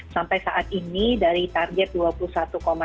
sampai saat ini dari target dua puluh satu